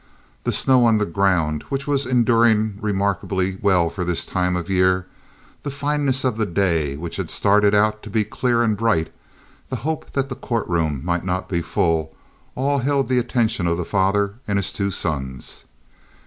The snow on the ground, which was enduring remarkably well for this time of year, the fineness of the day, which had started out to be clear and bright, the hope that the courtroom might not be full, all held the attention of the father and his two sons.